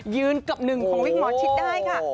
ยืนกับหนึ่งของวิกเหมาะชิดได้ค่ะ